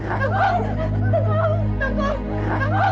ayo kerja lagi